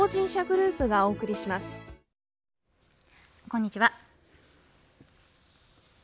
こんにちは。